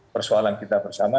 persoalan kita bersama